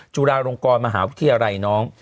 จุฬาลงกรมหาวิทยาลัยน้อง